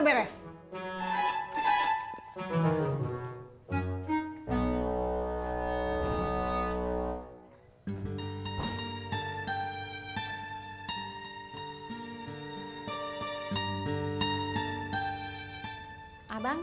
ngerjain apa aja kagak